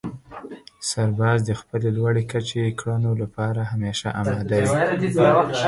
سرباز د خپلې لوړې کچې کړنو لپاره همېشه اماده وي.